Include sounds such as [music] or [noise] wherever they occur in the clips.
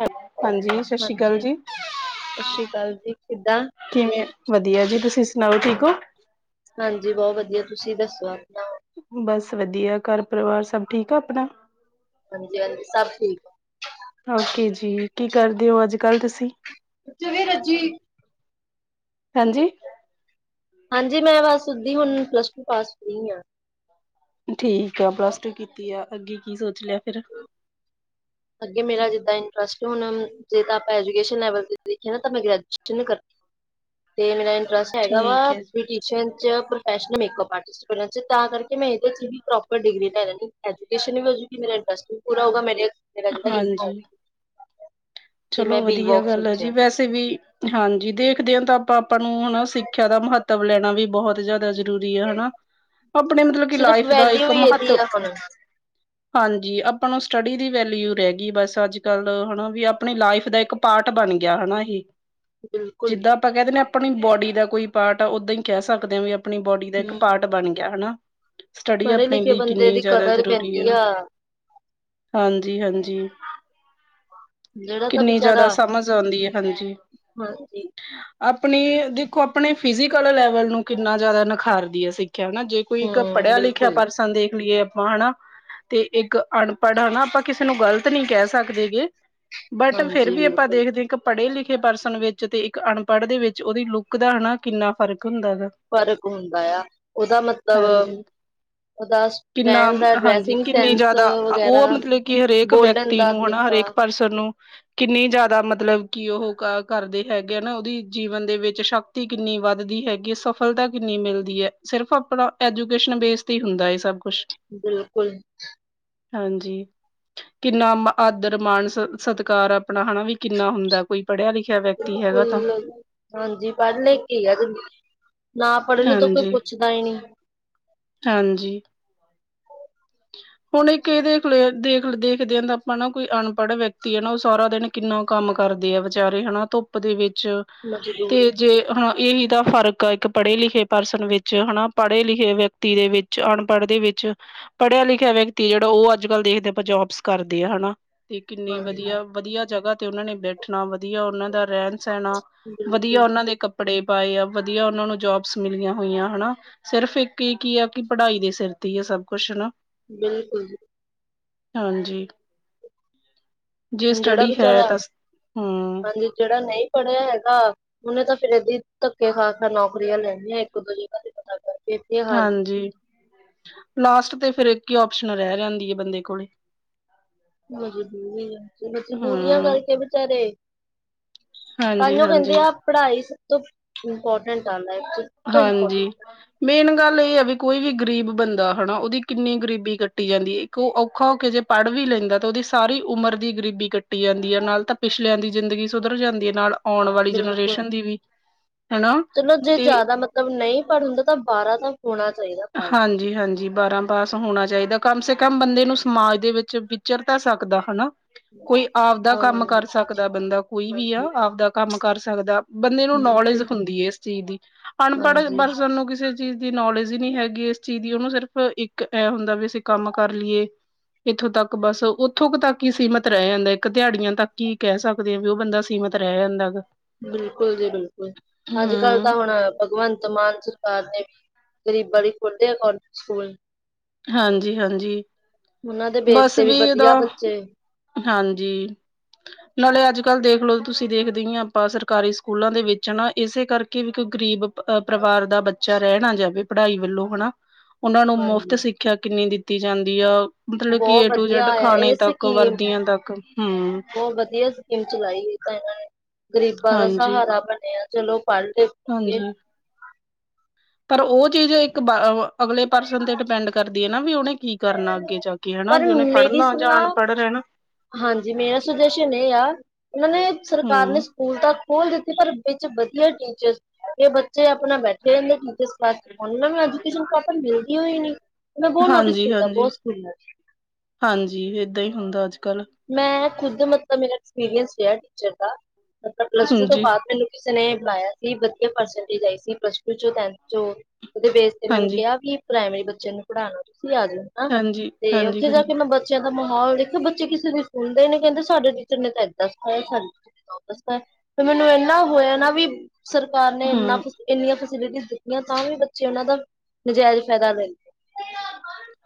ਹਾਂ ਹਾਂਜੀ। ਸਸ੍ਰੀ ਅਕਾਲ ਹਾਂਜੀ ਜੀ। ਸਤਿ ਸ਼੍ਰੀ ਅਕਾਲ ਜੀ ਕਿੱਦਾਂ ਕਿਵੇਂ, ਵਧੀਆ ਜੀ। ਤੁਸੀਂ ਸੁਣਾਓ ਠੀਕ ਹੋ? ਹਾਂਜੀ, ਬਹੁਤ ਵਧੀਆ, ਤੁਸੀਂ ਦੱਸੋ ਆਪਣਾ ਬਸ ਵਧੀਆ। ਘਰ- ਪਰਿਵਾਰ ਸਭ ਠੀਕ ਐ ਆਪਣਾ ਹਾਂਜੀ- ਹਾਂਜੀ। ਸਭ ਠੀਕ ਓਕੇ ਜੀ‌, ਕੀ ਕਰਦੇ ਓ ਅੱਜ -ਕੱਲ ਤੁਸੀਂ? ਉੱਥੇ ਵੀ ਰੱਜੀ ਹਾਂਜੀ- ਹਾਂਜੀ, ਮੈਂ ਬਸ ਉਦੀ ਹੁਣ, ਪਲੱਸ ਟੂ ਪਾਸ ਹੋਈ ਆਂ ਠੀਕ ਆ, ਪਲੱਸ ਟੂ ਕੀਤੀ ਆ, ਅੱਗੇ ਕੀ ਸੋਚ ਲਿਆ ਫੇਰ ਅੱਗੇ ਮੇਰਾ ਜਿੱਦਾਂ ਇੰਟਰਸਟ ਐ ਹੁਣ, ਜੇ ਤਾਂ ਆਪਾਂ ਐਜੂਕੇਸ਼ਨ ਲੈਵਲ ਤੇ ਦੇਖੇ ਨਾ ਤਾਂ ਮੈਂ ਗ੍ਰਜੂਏਸ਼ਨ ਕਰ [inaudible] ਤੇ ਮੇਰਾ ਇੰਟਰਸਟ ਹੈਗਾ ਠੀਕ ਵਾ, ਹੈ ਬਿਊਟੀਸ਼ੀਅਨ 'ਚ ਪ੍ਰੋਫੈਸ਼ਨ ਮੇਕਪ ਆਰਟਿਸਟ ਬਿਊਟੀਸ਼ੀਅਨ 'ਚ, ਤਾਂ ਕਰਕੇ ਮੈਂ ਇਹਦੇ 'ਚ ਵੀ ਪ੍ਰੋਪਰ ਡਿਗਰੀ ਲੈ ਲੈਣੀ, ਐਜੂਕੇਸ਼ਨ ਵੀ ਹੋਜੂਗੀ, ਮੇਰਾ ਇੰਟਰਸਟ ਵੀ ਪੂਰਾ ਹੋਗਾ ਮੇਰੇ ਤੇ ਰਹਿੰਦਾ ਈ ਹਾਂਜੀ ਹਾਰੀ ਚਲੋ ਵਧੀਆ ਗੱਲ ਐ ਜੀ ਸੋਚਿਆ ਵੈਸ। ਕਿਤੇ ਵੀ, ਹਾਂਜੀ ਦੇਖਦੇ ਆਂ, ਤਾਂ ਆਪਾਂ ਆਪਾਂ ਨੂੰ ਹੁਣ ਸਿੱਖਿਆ ਦਾ ਮਹੱਤਵ ਲੈਣਾ ਵੀ ਬਹੁਤ ਜ਼ਿਆਦਾ ਜਰ ਜ਼ਰੂਰੀ ਹੈ ਹਨਾ, ਆਪਣੇ ਮਤਲਬ ਕਿ, ਸਿਰਫ ਲਾਈਫ ਦਾ ਵੈਲਿਊ ਇੱਕ ਹੀ ਇਹਦੀ ਮਹੱਤਵ ਆ ਹੁਣ ਹਾਂਜੀ, ਆਪਾਂ ਨੂੰ ਸਟੱਡੀ ਦੀ ਵੈਲਿਊ ਰਹਿ ਗਈ, ਬਸ ਅੱਜ- ਕੱਲ ਹਨਾ ਵੀ ਅਪ ਆਪਣੀ ਲਾਈਫ ਦਾ ਇੱਕ ਪਾਰਟ ਬਣ ਗਿਆ, ਹਨਾ ਹੀ ਬਿਲਕੁਲ। ਆਪਾਂ ਕਹਿ ਦੇੰਦੇ ਆਪਣੀ ਬੋਡੀ ਦਾ ਕੋਈ ਪਾਰਟ ਆ, ਉਦਾਂ ਹੀ ਕਹਿ ਸਕਦੇ ਆਂ ਵੀ ਆਪਣੀ ਬੋਡੀ ਦਾ ਇੱਕ ਹੂੰ ਪਾਰਟ ਬਣ ਗਿਆ ਹਨਾ ਸਟੱਡੀ ਪੜ੍ਹੇ ਆਪਣੇ ਲਿਖੇ ਲਈ ਬੰਦੇ ਕਿੰਨੀ ਦੀ ਜ਼ਾਦਾ ਕਦਰ ਜ਼ਰੂਰੀ ਹੈ ਪੈਂਦੀ ਆ ਹਾਂਜੀ- ਹਾਂਜੀ। ਜਿਹੜਾ ਤਾਂ ਕਿੰਨੀ ਵਿਚਾਰਾ ਜ਼ਿਆਦਾ ਸਮਝ ਆਉਂਦੀ ਐ ਹਾਂਜੀ, ਹਾਂਜੀ ਆਪਣੀ, ਦੇਖੋ ਅਪ ਆਪਣੇ ਫਿਜੀਕਲ ਲੈਵਲ ਨੂੰ ਕਿੰਨਾ ਜ਼ਿਆਦਾ ਨਿਖਾਰਦੀ ਐ, ਸਿੱਖਿਆ ਹਨਾ ਜੇ ਕੋਈ ਇੱਕ ਹੂੰ ਪੜਿਆ- ਲਿਖਿਆ ਬਿਲਕੁਲ ਪਰਸਨ ਦੇਖ ਲਈਏ ਆਪਾਂ ਹਨਾ ਤੇ ਇੱਕ ਅਨਪੜ੍ਹ ਹਨਾ, ਆਪਾਂ ਕਿਸੇ ਨੂੰ ਗਲਤ ਨੀ ਕਹਿ ਸਕਦੇ ਗੇ ਬਟ ਫੇਰ ਹਾਂਜੀ ਵੀ ਆਪਾਂ ਬਿਲਕੁਲ ਦੇਖਦੇ ਇੱਕ ਪੜੇ ਲਿਖੇ ਪਰਸਨ ਵਿੱਚ ਤੇ ਇੱਕ ਅਨਪੜ੍ਹ ਦੇ ਵਿੱਚ ਉਹਦੀ ਲੁੱਕ ਦਾ, ਹਨਾ ਕਿੰਨਾ ਫ਼ਰਕ ਹੁੰਦਾ ਗਾ ਫਰਕ ਹੁੰਦਾ ਆਂ, ਉਹਦਾ ਮਤਲਬ ਹਾਂਜੀ ਉਹਦਾ ਕਿੰਨਾ, ਰਹਿਣ ਦਾ ਹਾਂਜੀ ਡਰੈਸਿੰਗ ਕਿੰਨੀ ਸੈਂਸ ਜ਼ਾਦਾ, ਵਗੈਰਾ ਉਹ ਮਤਲਬ ਕਿ ਹਰੇਕ ਬੋਲਣ ਵਿਅਕਤੀ ਦਾ ਨੂੰ ਹਨਾ ਤਰੀਕਾ ਹਰੇਕ ਪ ਪਰਸਨ ਨੂੰ ਕਿੰਨੀ ਜ਼ਿਆਦਾ ਮਤਲਬ ਕਿ ਉਹ, ਕਰਦੇ ਹੈਗੇ ਹੈ ਨਾ ਉਹਦੀ ਜੀਵਨ ਦੇ ਵਿੱਚ ਸ਼ਕ ਸ਼ਕਤੀ ਕਿੰਨੀ ਵੱਧਦੀ ਹੈਗੀ ਹੈ, ਸਫਲਤਾ ਕਿੰਨੀ ਮਿਲਦੀ ਐ, ਸਿਰਫ਼ ਆਪਣਾ ਐਜੂਕੇਸ਼ਨ ਬੇਸ ਤੇ ਹੁੰਦਾ ਐ ਸਭ ਕੁਛ ਬਿਲਕੁਲ ਹਾਂਜੀ, ਕਿੰਨਾ ਮਾ, ਆਦਰ-ਮਾਣ ਸਤ, ਸਤਕਾਰ ਆਪਣਾ, ਹਨਾ ਵੀ ਕਿੰਨਾ ਹੁੰਦਾ। ਕੋਈ ਪੜਿਆਂ-ਲਿਖਿਆ ਵੇ ਬਿਲਕੁਲ, ਹਾਂਜੀ ਪੜ-ਲਿਖ ਕੇ ਈ ਆ ਜਿੰਦ। ਨਾ ਪੜੇ ਨੂੰ ਤਾਂ ਕੋਈ ਹਾਂਜੀ ਪੁੱਛਦਾ ਈ ਨੀ। ਹਾਂਜੀ ਹੁਣ ਇੱਕ ਐ ਦੇਖ ਲਿਆ ਦੇਖ ਦੇਖਦਿਆਂ ਦਾ ਆਪਾਂ ਨਾ ਕੋਈ ਅਨਪੜ ਵਿਅਕਤੀ ਆ ਨਾ ਓ ਸਾਰਾ ਦਿਨ ਕਿੰਨਾ ਕੰਮ ਕਰਦੇ ਆ ਵਿਚਾਰੇ ਹਨਾ ਧੁੱਪ ਦੇ ਵਿੱਚ ਮਜ਼ਦੂਰੀ। ਤੇ ਜੇ ਹਾਂ ਏ ਹੀ ਤਾਂ ਫ਼ਰਕ ਆ ਇੱਕ ਪੜੇ ਲਿਖੇ ਪਰਸਨ ਵਿੱਚ ਹਨਾ ਪੜੇ ਲਿਖੇ ਵਿਅਕਤੀ ਦੇ ਵਿ ਚ ਅਨਪੜ ਦੇ ਵਿੱਚ ਪੜਿਆ ਲਿਖਿਆ ਵਿਅਕਤੀ ਜੇੜਾ ਓ ਅੱਜ-ਕੱਲ ਦੇਖਦੇ ਆ ਆਪਾਂ ਜੋਬਸ ਕਰਦੇ ਆ ਹਨਾ ਤੇ ਕਿੰਨੀ ਹਾਂਜੀ ਵਧੀਆ-ਵਧੀਆ ਜਗਾਂ ਤੇ ਉਨਾਂ ਨੇ ਬੈਠਣਾ ਵਧੀਆ ਉਨਾਂ ਦਾ ਰੈਂਣ ਸੈਣਾ ਵਧੀਆ ਬਿਲਕੁਲ ਉਨਾਂ ਦੇ ਕੱਪੜੇ ਪਾਏ ਆ ਵਧੀਆ ਉਨਾਂ ਨੂੰ ਜੋਬਸ ਮਿਲੀਆਂ ਹੋਈਆਂ ਹਨਾ। ਸਿਰਫ਼ ਇੱਕ ਈ ਕੀ ਆ ਕਿ ਪੜਾਈ ਦੇ ਸਿਰ ਤੇ ਈ ਆ ਸਭ ਕੁਸ਼ ਹਨਾ। ਬਿਲਕੁੱਲ ਜੀ। ਹਾਂਜੀ, ਜੇ ਹੁਣ ਸਟੱਡੀ ਹੈ ਤਾਂ ਹੂੰ ਜੇ ਜੇੜਾ ਨਈ ਪੜਿਆ ਹੈਗਾ ਉਨੇ ਤਾਂ ਫੇਰ ਐਦਾਂ ਈ ਧੱਕੇ ਖਾ-ਖਾ ਨੌਕਰੀਆਂ ਲੈਣੀਆਂ ਇੱਕ-ਦੋ ਜਗਾਂ ਤੇ ਪਤਾ ਕਰ ਹਾਂਜੀ, ਲਾਸਟ ਤੇ ਫੇਰ ਇੱਕ ਈ ਓਪਸ਼ਨ ਰੈ ਜਾਂਦੀ ਏ ਬੰਦੇ ਕੋਲੇ। ਮਜਬੂਰੀਆਂ ਵਿੱਚ ਮਜਬੂਰੀਆਂ ਹੂੰ ਕਰਕੇ ਬਚਾਰੇ ਤਾਂ ਈ ਹਾਂਜੀ ਕੈਂਦੇ ਹਾਂਜੀ ਆ ਪੜਾਈ ਸਭ ਤੋਂ ਇੰਮਪੋਟੈਂਟ ਆਂਦਾ ਹਾਂਜੀ। ਮੇਨ ਗੱਲ ਏ ਆ ਵੀ ਕੋਈ ਵੀ ਗ਼ਰੀਬ ਬੰਦਾ ਹਨਾ ਉਦੀ ਕਿੰਨੀ ਗ਼ਰੀਬੀ ਕੱਟੀ ਜਾਂਦੀ ਏ ਕ ਔਖਾ ਹੋ ਕੇ ਜੇ ਪੜ ਵੀ ਲੈਂਦਾ ਤਾਂ ਉਦੀ ਸਾਰੀ ਉਮਰ ਦੀ ਗ਼ਰੀਬੀ ਕੱਟੀ ਜਾਂਦੀ ਐ ਨਾਲ ਤਾਂ ਪਿਛਲਿਆਂ ਦੀ ਜ਼ਿੰਦਗੀ ਸੁਧਰ ਜਾਂਦੀ ਐ ਨਾਲ ਆਉਣ ਵਾਲੀ ਬਿਲਕੁਲ ਜਨਰੇਸ਼ਨ ਦੀ ਵੀ, ਹਨਾ। ਚਲੋ ਜੇ ਤੇ ਜਿਆਦਾ ਮਤਲਬ ਨਈ ਪੜ ਹੁੰਦਾ ਤਾਂ ਬਾਰਾਂ ਤਾਂ ਹੋਣਾ ਚਾਈਦਾ ਪਾ ਜੀ ਹਾਂਜੀ ਬਾਰਾਂ ਪਾਸ ਹੋਣਾ ਚਾਈਦਾ ਕਮ ਸੇ ਕਮ ਬੰਦੇ ਨੂੰ ਸਮਾਜ ਦੇ ਵਿੱਚ ਵਿਚਰ ਤਾਂ ਸਕਦਾ ਹਨਾ। ਕੋਈ ਆਪਦਾ ਕੰਮ ਹਾਂਜੀ ਕਰ ਸਕਦਾ ਬੰਦਾ ਕੋਈ ਵੀ ਆ ਆਪਦਾ ਕੰਮ ਕਰ ਸਕਦਾ। ਬੰਦੇ ਨੂੰ ਨੌਲੇਜ ਬਿਲਕੁਲ ਹੁੰਦੀ ਏ ਇਸ ਚੀਜ਼ ਦੀ ਅਨਪੜ ਹਾਂਜੀ ਪਰਸਨ ਨੂੰ ਕਿਸੇ ਚੀਜ਼ ਦੀ ਨੌਲੇਜ ਜੀ ਨੀ ਹੈਗੀ ਏਸ ਚੀਜ਼ ਦੀ ਉਨੂੰ ਸਿਰਫ਼ ਇੱਕ ਐ ਹੁੰਦਾ ਵੀ ਅਸੀਂ ਕੰਮ ਕਰ ਲੀਏ। ਇੱਥੋਂ ਤੱਕ ਬਸ ਉੱਥੋਂ ਕ ਤੱਕ ਈ ਸੀਮਿਤ ਰੈ ਜਾਂਦਾ ਇੱਕ ਦਿਹਾੜੀਆਂ ਤੱਕ ਈ ਕੈ ਸਕ ਦੇ ਆ ਵੀ ਓ ਬੰਦਾ ਸੀਮਤ ਰੈ ਜਾਂਦਾ ਗਾ। ਬਿਲਕੁੱਲ ਜੀ ਬਿਲਕੁੱਲ ਅੱਜ-ਕੱਲ ਤਾਂ ਹਮ ਹੁਣ ਭਗਵੰਤ ਮਾਨ ਸਰਕਾਰ ਨੇ ਵੀ ਗ਼ਰੀਬਾਂ ਲਈ ਖੁਰ ਦੇ ਅਕੋਡਿਗ ਸਕੂਲ ਹਾਂਜੀ-ਹਾਂਜੀ, ਉਹਨਾਂ ਦੇ ਬੇਸ ਬਸ ਤੇ ਵੀ ਏਦਾ ਵਧੀਆ ਬੱਚੇ ਹਾਂਜੀ, ਨਾਲੇ ਅੱਜ-ਕੱਲ ਦੇਖਲੋ ਤੁਸੀਂ ਦੇਖਦੇ ਈ ਆਪਾਂ ਸਰਕਾਰੀ ਸਕੂਲਾਂ ਦੇ ਵਿੱਚ ਨਾ ਇਸੇ ਕਰਕੇ ਵੀ ਕੋਈ ਗ਼ਰੀਬ ਅ ਪਰਿਵਾਰ ਦਾ ਬੱ ਚਾ ਰੈ ਨਾ ਜਾਵੇ ਪੜਾਈ ਵੱਲੋਂ ਹਨਾ ਉਨਾਂ ਨੂੰ ਮੁਫ਼ਤ ਹਾਂਜੀ ਸਿੱਖਿਆ ਕਿੰਨੀ ਦਿੱਤੀ ਜਾਂਦੀ ਆ ਮਤਲਬ ਕਿ ਬਹੁਤ ਏ ਟੂ ਵਧੀਆ ਜੈਡ ਆਇਆ ਖਾਣੇ ਇਹ ਤੱਕ, ਸਕੀਮ ਵਰਦੀਆਂ ਤੱਕ ਹੂੰ। ਬਹੁਤ ਵਧੀਆ ਸਕੀਮ ਚਲਾਈ ਤਾਂ ਏਨਾਂ ਨੇ ਗ਼ਰੀਬਾਂ ਦਾ ਹਾਂਜੀ ਸਹਾਰਾ ਬਣਿਆ ਚਲੋ ਪੜ ਲਿ ਹਾਂਜੀ। ਪਰ ਓ ਚੀਜ਼ ਇੱਕ ਬਾ ਅ ਅਗਲੇ ਪਰਸਨ ਤੇ ਡਿਪੈਂਡ ਕਰਦੀ ਏ ਨਾ ਵੀ ਉਨੇ ਕੀ ਕਰਨਾ ਅੱਗੇ ਜਾ ਕੇ ਹਨਾ ਪਰ ਵੀ ਉਨੇ ਮੇਰੀ ਪੜਨਾ ਜਾਂ ਸਲਾਹ ਅਨਪੜ ਰੈਂਨਾ। [inaudible] ਹਾਂਜੀ ਮੇਰਾ ਸੁਜੈਸ਼ਨ ਏ ਆ ਉਨਾਂ ਨੇ ਸਰਕਾਰ ਨੇ ਹਮ ਸ ਕੂਲ ਤਾਂ ਖੋਲ ਦਿੱਤੇ ਪਰ ਵਿੱਚ ਵਧੀਆ ਟੀਚਰਜ ਨੀ ਹੈਗੇ ਬੱ ਚੇ ਆਪਣਾ ਬੈਠੇ ਰੈਂਦੇ ਟੀਚਰਜ ਵਾਸਤੇ ਉਨਾਂ ਨੂੰ ਅੱਜ ਕਿਸੇ ਨੂੰ ਕੈਤਾ ਮਿਲਦੀ ਉਈ ਨੀ। ਮੈਂ ਬਹੁਤ ਨੋਟਿਸ ਕੀਤਾ ਹਾਂਜੀ-ਹਾਂਜੀ, ਬਹੁਤ ਸਕੂਲਾਂ ਹਾਂਜੀ ਏਦਾਂ ਈ ਹੁੰਦਾ ਅੱਜ-ਕੱਲ। ਮੈਂ ਖੁਦ ਮਤਲਬ ਮੇਰਾ ਐਕਸਪੀਰੀਅੰਸ ਰੇਆ ਟੀਚਰ ਦਾ ਮਤਲਬ ਪਲੱਸ ਟੂ ਤੋਂ ਹਾਂਜੀ ਬਾਅਦ ਮੈਨੂੰ ਕਿਸੇ ਨੇ ਬੁਲਾਇਆ ਸੀ ਵਧੀਆ ਪਰਸੈਂਟੇਜ ਆਈ ਸੀ ਪਲੱਸ ਟੂ ਚ, ਟੈਥ ਚੋਂ ਉਦੇ ਬੇਸ ਤੇ ਮੈਨੂੰ ਹਾਂਜੀ ਕੇਆ ਵੀ ਪ੍ਰਾਇਮਰੀ ਬੱਚੇ ਨੂੰ ਪੜਾਣਾ ਤੁਸੀਂ ਆਜੋ ਹਨਾ ਹਾਂਜੀ ਤੇ ਹਾਂਜੀ ਉੱਥੇ ਜਾ ਕੇ ਹਾਂਜੀ ਮੈਂ ਬੱ ਬੱਚਿਆਂ ਦਾ ਮਾਹੌਲ ਦੇਖੋ, ਬੱਚੇ ਕਿਸੇ ਦੀ ਸੁਣਦੇ ਹੀ ਨਹੀਂ, ਕਹਿੰਦੇ ਸਾਡੇ ਟੀਚਰ ਨੇ ਤਾਂ ਏਦਾਂ ਸਿਖਾਇਆ ਸਾਨੂੰ। ਦੱਸਦਾ ਤੇ ਮੈਨੂੰ ਇੰਨਾ ਹੋਇਆ ਨਾ ਵੀ ਸਰਕਾਰ ਨੇ ਇਨਾਂ ਹਮ ਇੰਨੀਆਂ ਫੈਸਿਲਿਟੀ ਦਿੱਤੀਆਂ, ਤਾਂ ਵੀ ਬੱਚੇ ਉਹਨਾਂ ਦਾ ਨਜਾਇਜ਼ ਫਾਇਦਾ ਲ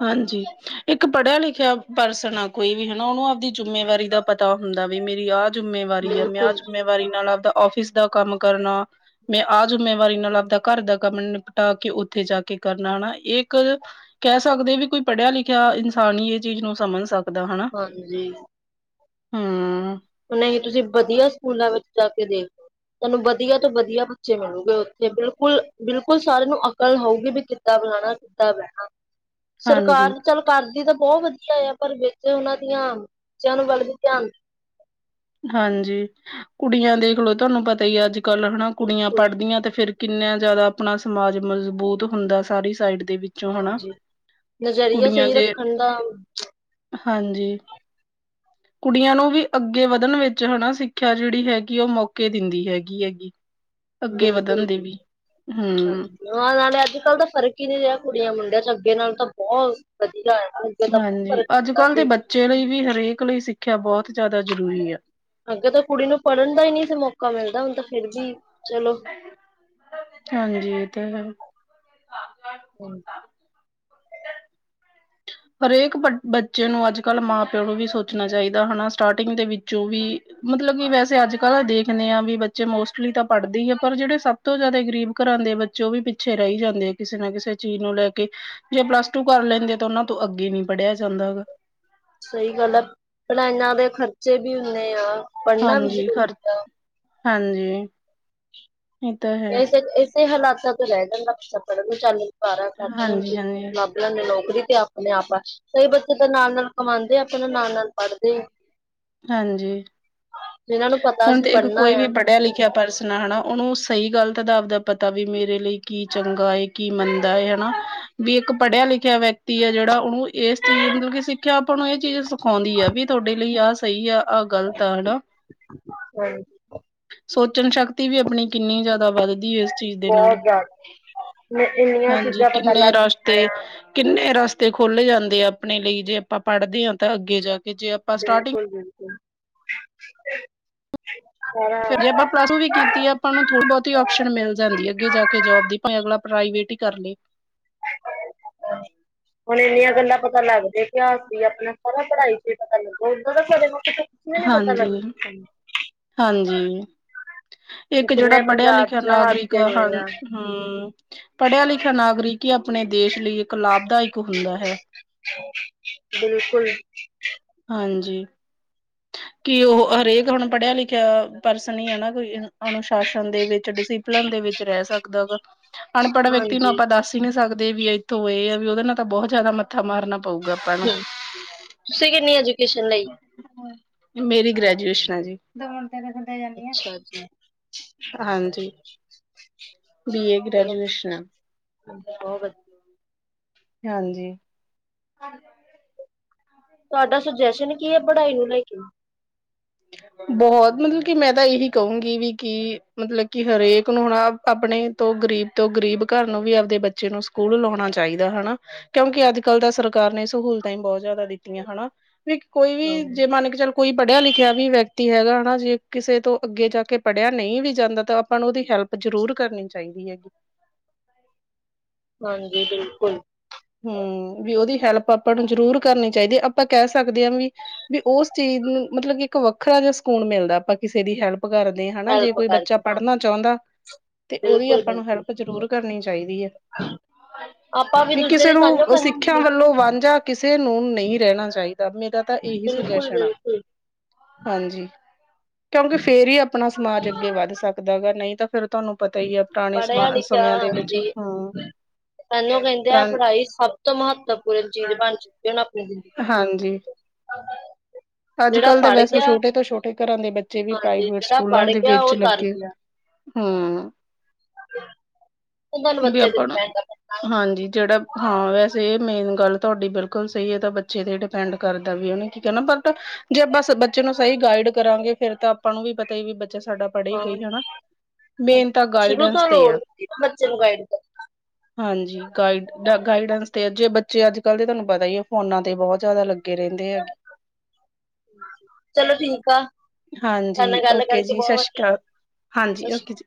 ਹਾਂਜੀ, ਇੱਕ ਪੜ੍ਹਿਆ ਲਿਖਿਆ ਪਰਸਨ ਆ ਕੋਈ ਵੀ ਹਨਾ, ਉਹਨੂੰ ਆਪਦੀ ਜਿੰਮੇਵਾਰੀ ਦਾ ਪਤਾ ਹੁੰਦਾ ਵੀ ਮੇਰੀ ਆਹ ਜਿੰਮੇਵਾਰੀ ਆ, ਮੈਂ ਆਹ ਬਿਲਕੁਲ ਜਿੰਮੇਵਾਰੀ ਨਾਲ ਆਪਦਾ ਆਫਿਸ ਦਾ ਕੰਮ ਕਰਨਾ ਮੈਂ ਆ ਜ਼ੁੰਮੇਵਾਰੀ ਨਾਲ ਆਪਦਾ ਘਰ ਦਾ ਕੰਮ ਨਿਪਟਾ ਕੇ ਉੱਥੇ ਜਾ ਕੇ ਕਰਨਾ ਆਣਾ, ਇਹ ਇੱਕ ਕਹਿ ਸਕਦੇ ਵੀ, ਕੋਈ ਪੜ੍ਹਿਆ ਲਿਖਿਆ ਇਨਸਾਨ ਹੀ ਇਹ ਚੀਜ਼ ਨੂੰ ਸਮਝ ਸਕਦਾ ਹਨਾ। ਹਾਂਜੀ। ਹਾਂ। ਹੂਣ ਇਹੀ ਤੁਸੀਂ ਵਧੀਆ ਸਕੂਲਾਂ ਵਿੱਚ ਜਾ ਕੇ ਦੇਖ ਲਓ। ਤੁਹਾਨੂੰ ਵਧੀਆ ਤੋਂ ਵਧੀਆ ਬੱਚੇ ਮਿਲਣਗੇ ਉੱਥੇ, ਬਿਲਕੁੱਲ -ਬਿਲਕੁੱਲ ਸਾਰਿਆਂ ਨੂੰ ਅਕਲ ਹੋਊਗੀ। ਵੀ ਕਿਦਾਂ ਬੁਲਾਣਾ, ਕਿਦਾਂ ਬਹਿਣਾ। ਸਰਕਾਰ ਹਾਂਜੀ ਚੱਲ ਕਰਦੀ ਤਾਂ ਬਹੁਤ ਵਧੀਆ ਆ, ਪਰ ਵਿੱਚ ਉਹਨਾਂ ਦੀਆਂ ਬੱਚਿਆਂ ਨੂੰ ਵਲ ਵੀ ਧਿਆਨ ਹਾਂਜੀ, ਕੁੜੀਆਂ ਦੇਖਲੋ ਤੁਹਾਨੂੰ ਪਤਾ ਹੀ ਅੱਜ ਕੱਲ ਹਨਾ, ਕੁੜੀਆਂ ਬਿਲਕੁਲ ਪੜ੍ਹਦੀਆਂ ਤੇ ਫਿਰ ਕਿੰਨਾ ਜ਼ਿਆਦਾ ਆਪਣਾ ਸਮਾਜ ਮਜ਼ਬੂਤ ਹੁੰਦਾ, ਸਾਰੀ ਸਾਈਡ ਦੇ ਵਿੱਚ। ਹਾਂਜੀ, ਨਜ਼ਰੀਆ ਸਹੀ ਜੇ ਰੱਖਣ ਦਾ ਹਾਂਜੀ, ਕੁੜੀਆਂ ਨੂੰ ਵੀ ਅੱਗੇ ਅੱਗੇ ਵਧਣ ਵਿੱਚ ਹਨਾ ਸਿੱਖਿਆ ਜਿਹੜੀ ਹੈਗੀ, ਉਹ ਮੌਕੇ ਦਿੰਦੀ ਹੈਗੀ -ਹੈਗੀ। ਅੱਗੇ ਵਧਣ ਦੇ ਵੀ, ਹਮ। ਨਾ ਨਾਲੇ ਅੱਜ ਕੱਲ ਤਾਂ ਫਰਕ ਹੀ ਨੀ ਰਿਹਾ ਕੁੜੀਆਂ ਮੁੰਡਿਆਂ ਚ, ਅੱਗੇ ਨਾਲ ਤਾਂ ਬਹੁਤ ਵਧੀਆ। ਅੱਗੇ ਤਾਂ ਬਹੁਤ ਹਾਂਜੀ ਫ਼ਰਕ ਅੱਜ ਹੁੰਦਾ ਕੱਲ੍ਹ ਦੇ ਸੀ ਬੱਚੇ ਲਈ ਵੀ, ਹਰੇਕ ਲਈ ਸਿੱਖਿਆ ਬਹੁਤ ਜ਼ਿਆਦਾ ਜ਼ਰੂਰੀ ਆ। ਅੱਗੇ ਤਾਂ ਕੁੜੀ ਨੂੰ ਪੜ੍ਹਨ ਦਾ ਹੀ ਨਹੀਂ ਸੀ ਮੌਕਾ ਮਿਲਦਾ, ਹੁਣ ਤਾਂ ਫਿਰ ਵੀ ਚਲੋ। ਹਾਂਜੀ ਇਹ ਤਾਂ ਹੈ। ਹਮ। ਹਰੇਕ ਬੱਚੇ ਨੂੰ ਅੱਜ ਕੱਲ ਮਾਂ ਪਿਓ ਨੂੰ ਵੀ ਸੋਚਣਾ ਚਾਹੀਦਾ ਹਨਾ, ਸਟਾਰਟਿੰਗ ਦੇ ਵਿੱਚੋਂ ਵੀ ਮਤਲੱਬ ਕਿ ਵੈਸੇ ਅੱਜ ਕੱਲ੍ਹ ਦੇਖਦੇ ਆ, ਵੀ ਬੱਚੇ ਮੋਸਟਲੀ ਤਾਂ ਪੜ੍ਹਦੇ ਹੀ ਆ, ਪਰ ਜਿਹੜੇ ਸਭ ਸਭ ਤੋਂ ਜ਼ਿਆਦਾ ਗ਼ਰੀਬ ਘਰਾਂ ਦੇ ਬੱਚੋਂ ਵੀ ਪਿੱਛੇ ਰਹੀ ਜਾਂਦੇ ਆ, ਕਿਸੇ ਨਾ ਕਿਸੇ ਚੀਜ਼ ਨੂੰ ਲੈ ਕੇ। ਜੇ ਪਲੱਸ ਟੂ ਕਰ ਲੈਂਦੇ ਤਾਂ ਉਹਨਾਂ ਤੋਂ ਅੱਗੇ ਨਹੀਂ ਪੜ੍ਹਿਆ ਜਾਂਦਾ ਹੈਗਾ। ਸਹੀ ਗੱਲ ਆ, ਪਹਿਲਾਂ ਇਹਨਾਂ ਦੇ ਖਰਚੇ ਵੀ ਉਹਨੇ ਆ। ਪੜ੍ਹਨਾ ਵੀ ਹਾਂਜੀ ਖ਼ਰਚ ਜ਼ਰੂਰੀ ਆ। ਹਾਂਜੀ। ਇਹ ਤਾਂ ਹੈ ਇਸ ਇਸੇ ਹਾਲਾਤਾਂ ਤੋਂ ਰਹਿ ਜਾਂਦਾ, [unintelligible] ਪਿੱਛਾ ਪੜਨ ਨੂੰ ਚਾਲਾਂ ਕਰ ਹਾਂਜੀ ਹਾਂਜੀ ਨੇ ਨੌਕਰੀ ਤੇ ਆਪਣੇ ਆਪਾਂ ਕਈ ਬੱਚੇ ਤਾਂ ਨਾਲ- ਨਾਲ ਕਮਾਉਂਦੇਆ, ਆਪਾਂ ਨੂੰ ਨਾਲ -ਨਾਲ ਪੜ੍ਹਦੇਆ। ਹਾਂਜੀ। ਜਿਨਾਂ ਨੂੰ ਪਤਾ ਅ ਸੀ ਪੜ੍ਹਨਾ ਆ ਕਿਆ ਪਰਸਨ ਹੈ, ਉਹਨੂੰ ਸਹੀ ਗੱਲ ਤਾਂ ਦਾ ਆਪਦਾ ਪਤਾ ਵੀ ਮੇਰੇ ਲਈ ਕੀ ਚੰਗਾ ਹੈ, ਕੀ ਮੰਦਾ ਹੈ ਹਨਾ। ਵੀ ਇੱਕ ਪੜ੍ਹਿਆ ਲਿਖਿਆ ਵਿਅਕਤੀ ਆ ਜਿਹੜਾ, ਉਹਨੂੰ ਇਸ ਚੀਜ਼ ਮਤਲੱਬ ਕਿ ਸਿੱਖਿਆ ਆਪਾਂ ਨੂੰ ਇਹ ਚੀਜ਼ ਆਉਂਦੀ ਆ, ਵੀ ਤੁਹਾਡੇ ਲਈ ਆਹ ਸਹੀ ਆ, ਆਹ ਗ਼ਲਤ ਆ, ਹਨਾ। ਹ [unintelligible] ਸੋਚਣ ਸ਼ਕਤੀ ਵੀ ਆਪਣੀ ਕਿੰਨੀ ਜ਼ਿਆਦਾ ਵੱਧਦੀ ਹੈ ਚੀਜ਼ ਦੇ ਨਾਲ, ਬਹੁਤ ਜ਼ਿਆਦਾ ਇੰਨੀਆਂ ਹਾਂਜੀ ਚੀਜ਼ਾਂ ਪਤਾ ਕਿੰਨੇ ਰਸ ਤੇ ਲੱਗਦੀਆਂ ਆ ਕਿੰਨੇ ਰਸਤੇ ਖੁਲੱ ਜਾਂਦੇ ਆ ਆਪਣੇ ਲਈ, ਜੇ ਆਪਾਂ ਪੜਦੇ ਹਾਂ ਤਾਂ ਅੱਗੇ ਜਾ ਕੇ ਜੇ ਆਪਾਂ ਸਟਾਰਟਿੰਗ ਬਿਲਕੁੱਲ -ਬਿਲਕੁੱਲ! ਜੇ ਆਪਾਂ [inaudible] ਪਲੱਸ ਟੂ ਵੀ ਕੀਤੀ ਆ ਆਪਾਂ ਨੂੰ ਥੋੜ੍ਹੀ ਬੋਤੀ ਆਪਓਸ਼ਨ ਮਿਲ ਜਾਂਦੀ ਅੱਗੇ ਜਾ ਕੇ ਜੋਬ ਦੀ ਭਾਵੇਂ ਅਗਲਾ ਪ੍ਰਾਈਵੇਟ ਈ ਕਰ ਲੈ। ਹੁਣ ਏਨੀਆਂ ਗੱਲਾਂ ਪਤਾ ਲੱਗ ਦਿਆ ਪਿਆ ਕਿ ਅਸੀਂ ਆਪਣਾ ਸਾਰਾ ਪੜ੍ਹਾਈ ਚ ਈ ਪਤਾ ਲੱਗ ਓਦਾਂ ਦਾ [unintelligible] ਹਾਂਜੀ, ਲੱਗਦਾ। ਹਾਂਜੀ। ਏਕ ਜੇੜਾ ਕਿੰਨੇ ਪੜ੍ਹਿਆ ਪੰਜਾਬ ਲਿਖਿਆ ਚ ਨਾਗਰਿਕ ਹਾਦਸੇ ਹੋਏ ਹਨ ਆ ਹੂੰ, ਪੜ੍ਹਿਆ ਲਿਖਿਆ ਨਾਗਰਿਕ ਈ ਆਪਣੇ ਦੇਸ਼ ਲਈ ਏਕ ਲਾਭਦਾਇਕ ਹੁੰਦਾ ਹੈ। ਬਿਲਕੁਲ। ਹਾਂਜੀ। ਕਿ ਓਹ ਹਰੇਕ ਹੁਣ ਪੜ੍ਹਿਆ ਲਿਖਿਆ ਪਰਸਨ ਈ ਐ ਨਾ ਕੋਈ ਅਨੁਸ਼ਾਸਨ ਦੇ ਵਿੱਚ ਡਸੀ ਪਲਨ ਦੇ ਵਿੱਚ ਰੈ ਸਕਦਾ ਵਾ। ਅਨਪੜ੍ਹ ਵਿਅਕਤੀ ਨੂੰ ਹਾਂਜੀ ਆਪਾਂ ਦੱਸ ਈ ਨੀ ਸਕਦੇ ਵੀ ਏਥੋਂ ਏ ਆ ਵੀ ਓਦੇ ਨਾਲ ਤਾਂ ਬੋਤ ਜਾਦਾ ਮੱਥਾ ਮਾਰਨਾ ਪਊਗਾ ਆਪਾਂ ਨੂੰ ਹਮ ਤੁਸੀਂ ਕਿੰਨੀ ਐਜੂਕੇਸ਼ਨ ਲਈ? ਮੇਰੀ ਗ੍ਰੈਜੂਏਸ਼ਨ ਆ ਜੀ। ਅੱਛਾ ਜੀ। ਹਾਂਜੀ ਬੀ ਏ ਚਲੋ, ਗ੍ਰੈਜੂਏਸ਼ਨ ਆ। ਬੋ ਵਦ ਹਾਂਜੀ। ਖੱੜ ਜਾ ਵੀਰੇ ਤੁਆਡਾ ਸੁਜੈਸ਼ਨ ਕੀ ਏ ਪੜ੍ਹਾਈ ਨੂੰ ਲੈ ਕੇ। ਬੋਹਤ ਮਤਲਬ ਕਿ ਮੈਂ ਤਾਂ ਏਹੀ ਕਹੂੰਗੀ ਵੀ ਕਿ ਮਤਲਬ ਕਿ ਹਰੇਕ ਨੂੰ ਹਣਾ ਅਪਣੇ ਤੋਂ ਗਰੀਬ ਤੋਂ ਗਰੀਬ ਕਰ ਨੂੰ ਵੀ ਆਪਦੇ ਬੱਚੇ ਨੂੰ ਸਕੂਲ ਲਾਓਣਾ ਚਾਈਦਾ ਹਨਾ। ਕਿਉਂਕਿ ਅੱਜ-ਕੱਲ ਦਾ ਸਰਕਾਰ ਨੇ ਸਹੂਲਤਾਂ ਈ ਬੋਤ ਜਾਦਾ ਦਿੱਤੀਆਂ ਹਨਾ ਵੀ ਕੋਈ ਵੀ ਹਾਂਜੀ ਜੇ ਮੰਨ ਕੇ ਚੱਲ ਕੋਈ ਪੜ੍ਹਿਆ ਲਿਖਿਆ ਖਿਆ ਵੀ ਵਿਅਕਤੀ ਹੈਗਾ ਹਨਾ ਜੇ ਕਿਸੇ ਤੋਂ ਅੱਗੇ ਜਾ ਕੇ ਪੜ੍ਹਿਆ ਨਈ ਵੀ ਜਾਂਦਾ ਤਾਂ ਆਪਾਂ ਨੂੰ ਉਦੀ ਹੈਲਪ ਜ਼ਰੂਰ ਕਰਨੀ ਚਾਈਦੀ ਐ। ਹਾਂਜੀ ਬਿਲਕੁਲ। ਹੂੰ, ਵੀ ਉਹਦੀ ਹੈਲਪ ਆਪਾਂ ਨੂੰ ਜ਼ਰੂਰ ਕਰਨੀ ਚਾਈਦੀ ਏ ਆਪਾਂ ਕੈ ਸਕਦੇ ਆ ਵੀ ਵੀ ਓਸ ਚੀਜ਼ ਨੂੰ ਮਤਲਬ ਏਕ ਵੱਖਰਾ ਜਆ ਸਕੂਨ ਮਿਲਦਾ ਆਪਾਂ ਕਿਸੇ ਦੀ ਹੈਲਪ ਪ ਕਰਦੇ ਹਨਾ ਜੇ ਹੈਲਪ ਕੋਈ ਬੱਚਾ ਕਰਕੇ ਹਾਂ ਪੜ੍ਹਨਾ ਚਾਓਦਾ। ਤੇ ਓਦੀ ਬਿਲਕੁਲ ਆਪਾਂ ਨੂੰ ਬਿਲਕੁਲ ਹੈਲਪ ਜ਼ਰੂਰ ਕਰਨੀ ਚਾਈਦੀ ਏ। ਆਪਾਂ ਵੀ ਦੂਜੇ ਕਿਸੇ ਦੀ ਤਾਂਹੀਓ ਨੂੰ ਸਿੱਖਿਆ ਕਰਾਂਗੇ ਵੱਲੋਂ ਵਾਂਝਾ ਕਿਸੇ ਨੂੰ ਨਈ ਰੈਂਨਾ ਚਾਈਦਾ ਮੇਰਾ ਤਾਂ ਏਹੀ ਸੁਝਾ ਪੁੱਲ ਗਈ ਥੀ। ਹਾਂਜੀ ਕਿਉਂਕਿ ਫੇਰ ਈ ਆਪਣਾ ਸਮਾਜ ਅੱਗੇ ਵੱਧ ਸਕ ਦਾ ਗਾ ਨਈ ਤਾਂ ਫੇਰ ਤੁਆਨੂੰ ਪਤਾ ਹੀ ਆ ਪੁਰਾਣੇ ਸਮਾ ਸਮਿਆਂ ਦੇ ਵਿੱਚ ਹਾਂ। ਤਾਹੀਓਂ ਕੇਂਦੇ ਆ ਪੁਰਾ ਪੜ੍ਹਾਈ ਸਭ ਤੋਂ ਮਹੱਤਵਪੂਰਨ ਚੀਜ਼ ਬਣ ਚੁੱਕੀ ਏ ਹੁਣ ਆਪਣੀ ਜ਼ਿੰਦਗੀ ਹਾਂਜੀ। [unintelligible] ਜਿਹੜਾ ਅੱਜ-ਕੱਲ ਤਾਂ ਪੜ੍ਹ ਵੈਸੇ ਗਿਆ ਛੋਟੇ ਤੋਂ ਛੋਟੇ ਘਰਾਂ ਦੇ ਬੱਚੇ ਵੀ ਹਾਂਜੀ ਪ੍ਰਾਈਵੇਟ ਜਿਹੜਾ ਸਕੂਲਾਂ ਪੜ੍ਹ ਦੇ ਗਿਆ ਵਿੱਚ ਉਹ ਤਰ ਲੱਗੇ ਗਿਆ ਹੂੰ। [unintelligible] ਨੂੰ ਵੀ ਬੱਚੇ ਤੇ ਆਪਾਂ ਨਾ, ਡਿਪੈਂਡ ਆ ਪੈਂਦਾ ਹੈ। ਹਾਂਜੀ ਜੇੜਾ, ਹਾਂ ਵੈਸੇ ਮੇਨ ਗੱਲ ਤੁਆਡੀ ਬਿਲਕੁਲ ਸਈ ਏ ਤਾਂ ਬੱਚੇ ਤੇ ਡਿਪੈਂਡ ਕਰਦਾ ਵੀ ਓਨੇ ਕੀ ਕਰਨਾ ਬਟ ਜੇ ਬਸ ਬੱਚੇ ਨੂੰ ਸਈ ਗਾਈਡ ਕਰਾਂਗੇ ਫੇਰ ਤਾਂ ਆਪਾਂ ਨੂੰ ਵੀ ਪਤਾ ਈ ਵੀ ਬੱਚਾ ਸਾਡਾ ਪੜ੍ਹੇਗਾ ਈ ਹਨਾ, ਹਾਂ, ਮੇਨ ਤਾਂ ਸ਼ੁਰੂ ਗਾਈਡੈਂਸ ਤੋਂ ਤੇ ਈ ਲੋੜ ਆ। ਹੁੰਦੀ ਬੱਚੇ ਨੂੰ ਗਾਈਡ ਕਰੋ। ਹਾਂਜੀ ਗਾਈਡ ਗਾਈਡੈਂਸ ਤੇ ਜੇ ਬੱਚੇ ਅੱਜ-ਕੱਲ ਦੇ ਤੁਆਨੂੰ ਪਤਾ ਈ ਐ ਫੋਨਾ ਤੇ ਬੋਤ ਜਾਦਾ ਲੱਗੇ ਲੱਗੇ ਰੈਂਦੇ ਐ ਗੇ। [inaudible] ਚਲੋ ਠੀਕ ਆ ਥੋਡੇ ਹਾਂਜੀ ਨਾਲ ਗੱਲ ਓਕੇ ਕਰਕੇ ਜੀ ਬੋਤ ਸਤਿ ਵਦੀਆ ਸ਼੍ਰੀ ਅਕਾਲ ਲੱਗਾ, ਹਾਂਜੀ ਸਸ੍ਰੀ ਓਕੇ ਜੀ ਕਾਲ।